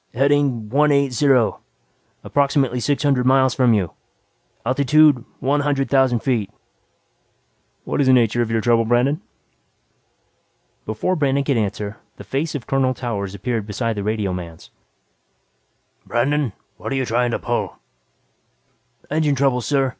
"Heading one eight zero. Approximately six hundred miles from you. Altitude one hundred thousand feet." "What is the nature of your trouble, Brandon?" Before Brandon could answer, the face of Colonel Towers appeared beside the radioman's. "Brandon, what're you trying to pull?" "Engine trouble, sir.